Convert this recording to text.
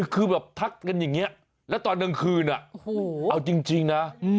คือแบบทักกันอย่างนี้แล้วตอนกลางคืนเอาจริงนะ